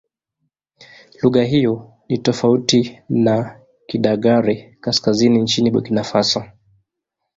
Lugha hiyo ni tofauti na Kidagaare-Kaskazini nchini Burkina Faso.